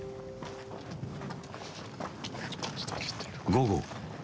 午後。